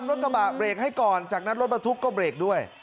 รถกระบะเบรกให้ก่อนจากนั้นรถบรรทุกก็เบรกด้วย